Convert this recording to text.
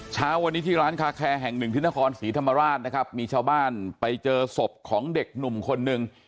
เช้าวันนี้ที่ร้านคาแคแห่งหนึ่งที่นครศรีธรรมราชนะครับมีชาวบ้านไปเจอศพของเด็กหนุ่มคนหนึ่ง